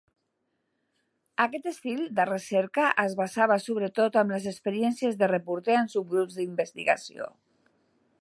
Aquest estil de recerca es basava sobretot en les experiències de reporter en subgrups d'investigació.